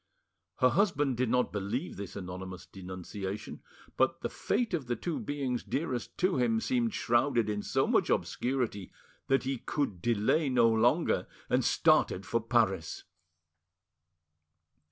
Her husband did not believe this anonymous denunciation, but the fate of the two beings dearest to him seemed shrouded in so much obscurity that he could delay no longer, and started for Paris.